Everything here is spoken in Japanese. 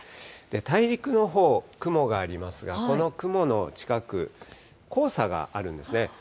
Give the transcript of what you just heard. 大陸のほう、雲がありますが、この雲の近く、黄砂があるんですね。